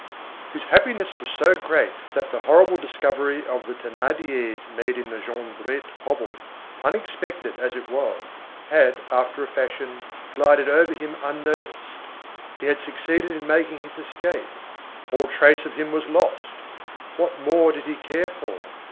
His happiness was so great that the horrible discovery of the Thénardiers made in the Jondrette hovel, unexpected as it was, had, after a fashion, glided over him unnoticed. He had succeeded in making his escape; all trace of him was lost—what more did he care for!